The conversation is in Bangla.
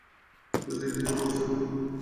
তো, সে কিছু বলেছে?